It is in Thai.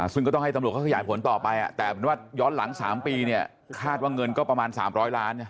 ซึ่งก็ต้องให้ตำรวจขยายผลต่อไปแต่ย้อนหลัง๓ปีคาดว่าเงินก็ประมาณ๓๐๐ล้าน